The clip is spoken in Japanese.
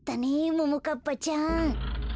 ももかっぱちゃん。